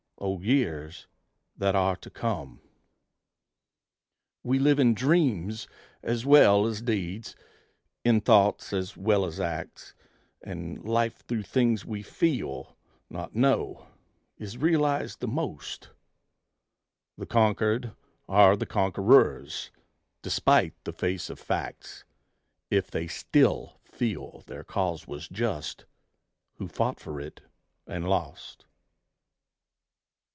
O years that are to come! We live in dreams as well as deeds, in thoughts as well as acts; And life through things we feel, not know, is realized the most; The conquered are the conquerors, despite the face of facts, If they still feel their cause was just who fought for it and lost.